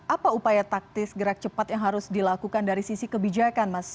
apa upaya taktis gerak cepat yang harus dilakukan dari sisi kebijakan mas